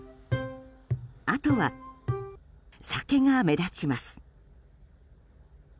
あとは、酒が目立ちます。